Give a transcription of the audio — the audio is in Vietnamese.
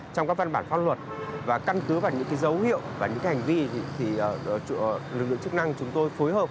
trong các văn bản pháp luật và căn cứ vào những dấu hiệu và những hành vi thì lực lượng chức năng chúng tôi phối hợp